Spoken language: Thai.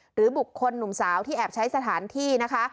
หรือบุคคลหนุ่มสาวที่แอบใช้สถานที่นะคะ